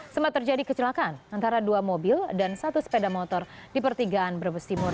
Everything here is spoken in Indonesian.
sempat terjadi kecelakaan antara dua mobil dan satu sepeda motor di pertigaan brebes timur